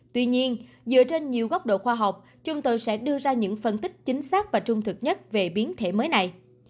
tuy nhiên dựa trên nhiều góc độ khoa học chúng tôi sẽ đưa ra những phân tích chính xác và trung thực nhất về biến thể mới này